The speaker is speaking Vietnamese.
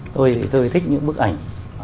tôi thì tôi thích những bức ảnh